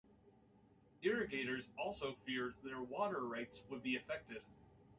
Irrigators also feared their water rights would be affected.